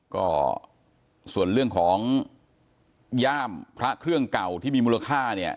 ก็ส่วนเรื่องของย่ามพระเครื่องเก่าที่มีมูลค่าเนี่ย